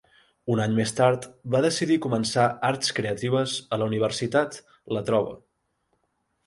Un any més tard, va decidir començar Arts Creatives a la Universitat La Trobe.